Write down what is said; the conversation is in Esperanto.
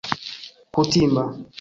kutima